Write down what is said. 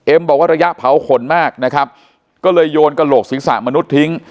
บอกว่าระยะเผาขนมากนะครับก็เลยโยนกระโหลกศีรษะมนุษย์ทิ้ง